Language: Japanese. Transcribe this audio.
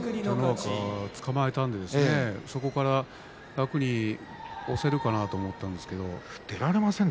つかまえたのでそこから楽に押せるかなと思ったんですけれど。